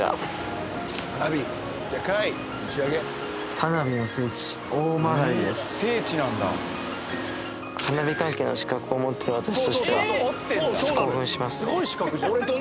花火関係の資格を持っている私としては興奮しますね